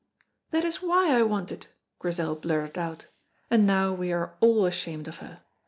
"That is why I want it," Grizel blurted out, and now we are all ashamed of her.